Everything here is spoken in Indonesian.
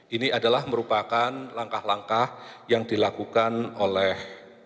ini adalah merupakan langkah langkah yang dilakukan oleh